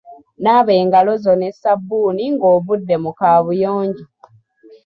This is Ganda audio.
Naaba engalo zo ne sabbuuni ng'ovudde mu kaabuyonjo.